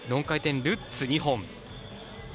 ４回転ルッツ２本。